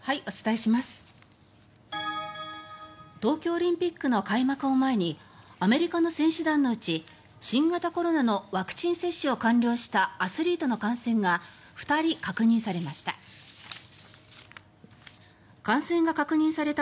東京オリンピックの開幕を前にアメリカの選手団のうち新型コロナのワクチン接種を完了したアスリートの感染が２人確認されました。